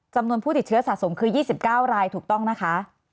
จำนวนผู้ติดเชื้อสะสมคือ๒๙รายถูกต้องนะคะ